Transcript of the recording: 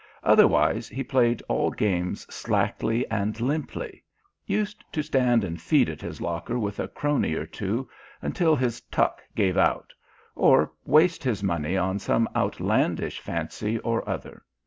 Otherwise he played all games slackly and limply; used to stand and feed at his locker with a crony or two until his "tuck" gave out; or waste his money on some outlandish fancy or other.